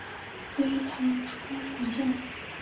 隋唐初武将。